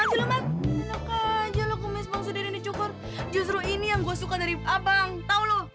enak aja lo kumis bang sudah ini cukur justru ini yang gue suka dari abang tau lo